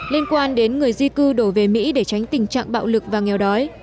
liên quan đến người di cư đổ về mỹ để tránh tình trạng bạo lực và nghèo đói